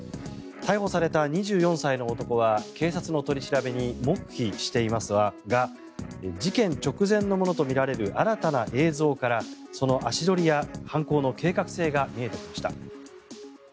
逮捕された２４歳の男は警察の取り調べに黙秘していますが事件直前のものとみられる新たな映像からその足取りや犯行の計画性が見えてきました。